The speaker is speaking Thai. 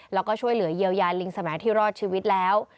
แล้วก็ช่วยเหลือเยียวยาลิงสมัยที่รอดชีวิตแล้ว